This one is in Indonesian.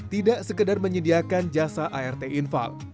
tidak sekedar menyediakan jasa art infal